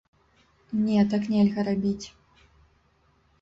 Не, так нельга рабіць.